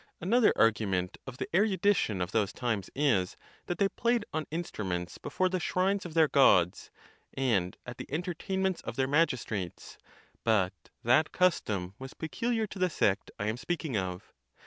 Another argument of the erudition of those times is, that they played on instru ments before the shrines of their Gods, and at the en tertainments of their magistrates; but that custom was pe culiar to the sect I am speaking of.